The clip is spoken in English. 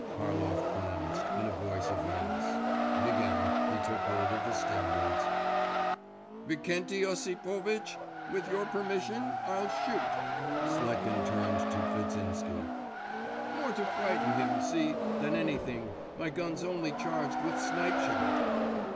Harlov pronounced, in a voice of menace, and again he took hold of the standards. 'Vikenty Osipovitch! with your permission, I'll shoot,' Sletkin turned to Kvitsinsky; 'more to frighten him, see, than anything; my gun's only charged with snipe shot.